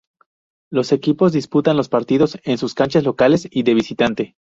Los equipos disputan los partidos en sus canchas locales y de visitante.